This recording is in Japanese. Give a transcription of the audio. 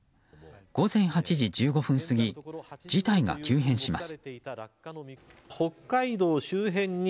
午前８時１５分過ぎ事態が急変します。